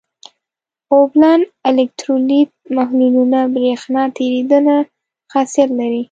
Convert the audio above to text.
اوبلن الکترولیت محلولونه برېښنا تیریدنه خاصیت لري.